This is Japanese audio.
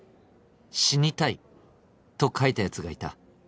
「「死にたい」と書いたヤツがいた」